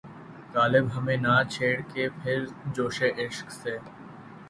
غالب ہمیں نہ چھیڑ کہ پھر جوشِ اشک سے